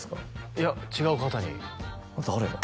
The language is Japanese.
いや違う方に誰だ？